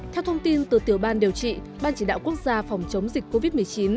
theo thông tin từ tiểu ban điều trị ban chỉ đạo quốc gia phòng chống dịch covid một mươi chín